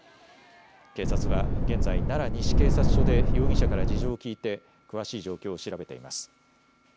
警察は現在、奈良西警察署で容疑者から事情を聞いて詳しい状況を調べています。